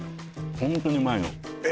ホントにうまいのえ